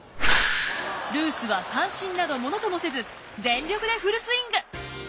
ルースは三振など物ともせず全力でフルスイング！